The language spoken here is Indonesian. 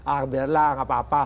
ah biarlah nggak apa apa